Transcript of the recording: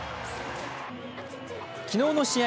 昨日の試合